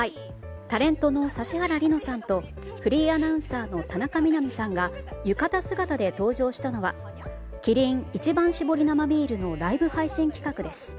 タレントの指原莉乃さんとフリーアナウンサーの田中みな実さんが浴衣姿で登場したのはキリン一番搾り生ビールのライブ配信企画です。